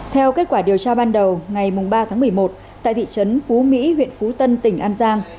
theo kết quả điều tra ban đầu ngày ba tháng một mươi một tại thị trấn phú mỹ huyện phú tân tỉnh an giang